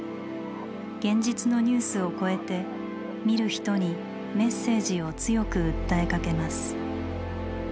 現実のニュースを超えて見る人にメッセージを強く訴えかけます。